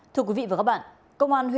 thưa quý vị và các bạn